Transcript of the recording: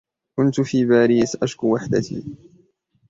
كنت في باريس أشكو وحدتي